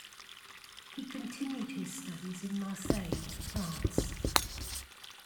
He continued his studies in Marseille, France.